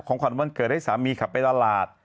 ขวัญวันเกิดให้สามีขับไปตลาด